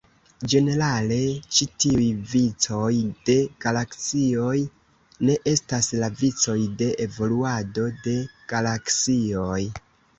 Ĝenerale ĉi tiuj vicoj de galaksioj "ne" estas la vicoj de evoluado de galaksioj.